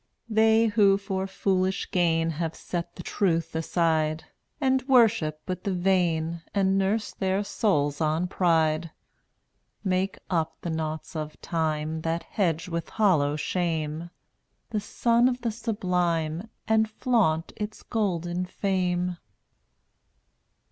a 1 8 They who for foolish gain Have set the truth aside And worship but the vain And nurse their souls on pride, Makeup the noughts of time That hedge with hollow shame The sun of the Sublime And flaunt its golden fame.